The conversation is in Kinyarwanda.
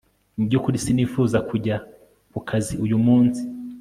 Mu byukuri sinifuzaga kujya ku kazi uyu munsi